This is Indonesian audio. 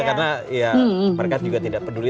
karena ya mereka juga tidak peduli